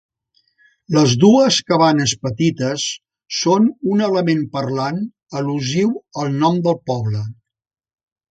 Les dues cabanes petites són un element parlant al·lusiu al nom del poble.